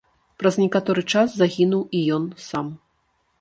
Праз некаторы час загінуў і ён сам.